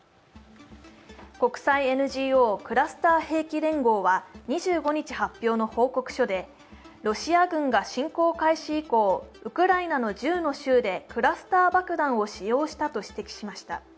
国際ＮＧＯ、クラスター兵器連合はロシア軍が侵攻開始以降、ウクライナの１０の州でクラスター爆弾を使用したと指摘しました。